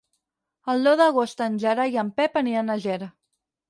El deu d'agost en Gerai i en Pep aniran a Ger.